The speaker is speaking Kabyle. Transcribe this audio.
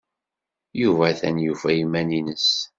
Yuba atan yufa iman-nnes.